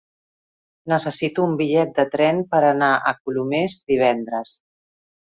Necessito un bitllet de tren per anar a Colomers divendres.